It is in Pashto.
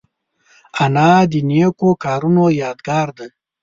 انا د نیکو کارونو یادګار ده